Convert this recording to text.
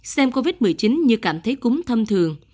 xem covid một mươi chín như cảm thấy cúng thông thường